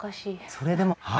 それでは。